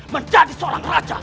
menjadi seorang raja